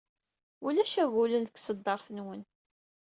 Ulac agulen deg tṣeddart-nwen.